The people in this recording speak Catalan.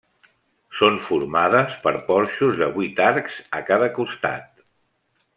Són formades per porxos de vuit arcs a cada costat.